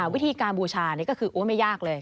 วิธีการบูชานี่ก็คือไม่ยากเลย